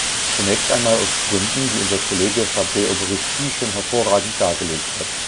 Zunächst einmal aus Gründen, die unser Kollege Fabre-Aubrespy schon hervorragend dargelegt hat.